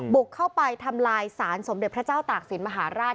บุกเข้าไปทำลายสารสมเด็จพระเจ้าตากศิลปมหาราช